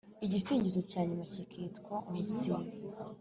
igisingizo cya nyuma kikitwa umusibo